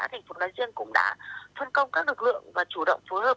thành phố nói riêng cũng đã phân công các lực lượng và chủ động phối hợp